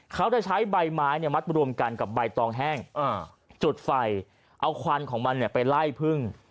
เขาจะใช้ใบไม้มัดรวมกันกับใบตองแห้งจุดไฟเอาควันของมันไปไล่พึ่ง